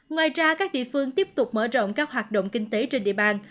ngoài ra các địa phương tiếp tục mở rộng các hoạt động kinh tế trên địa bàn